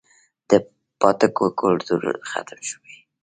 د پاټکونو کلتور ختم شوی